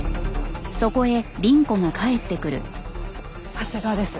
長谷川です。